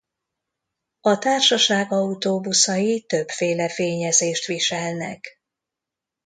A társaság autóbuszai többféle fényezést viselnek.